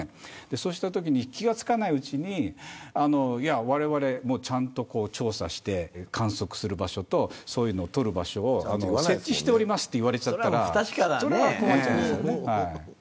そうしたときに気が付かないうちにわれわれ、ちゃんと調査して観測する場所と採る場所を設置しておりますと言われたらそれは困っちゃいますよね。